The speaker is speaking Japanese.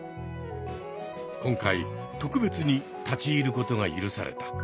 今回特別に立ち入ることが許された。